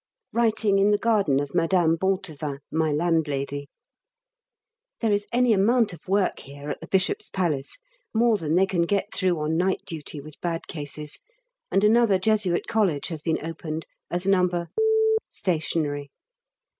Writing in the garden of Mme. Bontevin, my landlady. There is any amount of work here at the Bishop's Palace; more than they can get through on night duty with bad cases, and another Jesuit College has been opened as No. Stationary.